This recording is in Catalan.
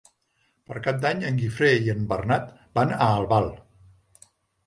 Per Cap d'Any en Guifré i en Bernat van a Albal.